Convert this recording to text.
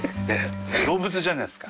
動物じゃないですか。